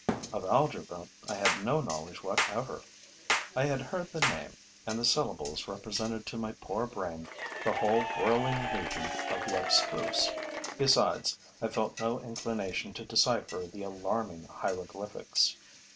Of algebra I had no knowledge whatever. I had heard the name; and the syllables represented to my poor brain the whole whirling legion of the abstruse. Besides, I felt no inclination to decipher the alarming hieroglyphics.